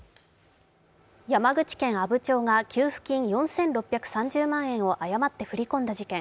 山口県阿武町が給付金４６３０万円を誤って振り込んだ事件